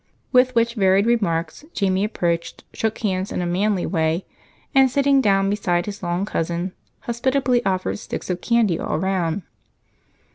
With which varied remarks Jamie approached, shook hands in a manly way, and, sitting down beside his long cousin, hospitably offered sticks of candy all around.